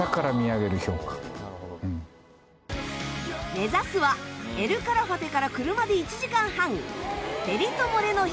目指すはエル・カラファテから車で１時間半ペリト・モレノ氷河。